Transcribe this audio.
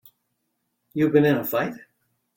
You been in a fight?